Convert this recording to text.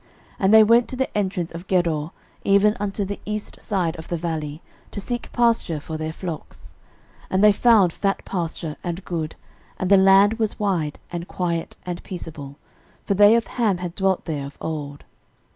13:004:039 And they went to the entrance of Gedor, even unto the east side of the valley, to seek pasture for their flocks. 13:004:040 And they found fat pasture and good, and the land was wide, and quiet, and peaceable; for they of Ham had dwelt there of old.